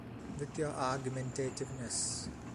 With your argumentativeness.